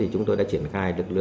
chúng tôi đã triển khai